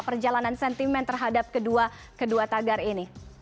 perjalanan sentimen terhadap kedua tagar ini